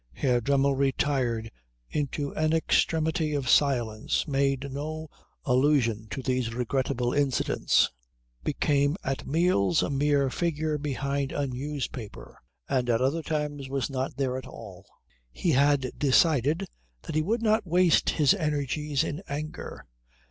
Herr Dremmel retired into an extremity of silence, made no allusion to these regrettable incidents, became at meals a mere figure behind a newspaper, and at other times was not there at all. He had decided that he would not waste his energies in anger.